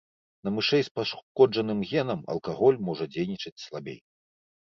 На мышэй з пашкоджаным генам алкаголь можа дзейнічаць слабей.